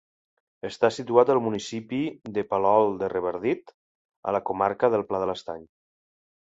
Està situat al municipi de Palol de Revardit a la comarca del Pla de l'Estany.